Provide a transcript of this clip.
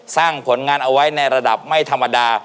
สร้างผลงานเอาไว้ในระดับไม่ธรรมดา